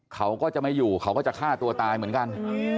เขาก็จะไม่อยู่เขาก็จะฆ่าตัวตายเหมือนกัน